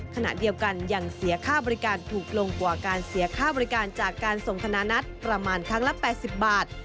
ขณะเดียวกันยังเสียค่าบริการถูกลงกว่าการเสียค่าบริการจากการส่งธนานัทประมาณครั้งละ๘๐บาท